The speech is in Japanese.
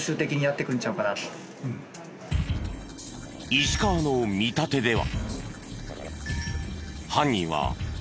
石川の見立てでは。